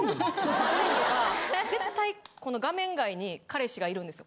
３人とか絶対画面外に彼氏がいるんですよ